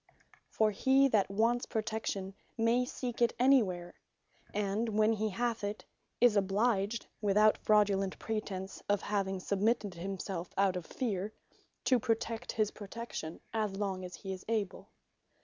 For he that wants protection, may seek it anywhere; and when he hath it, is obliged (without fraudulent pretence of having submitted himselfe out of fear,) to protect his Protection as long as he is able.